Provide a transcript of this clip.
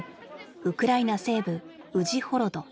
ウクライナ西部ウジホロド。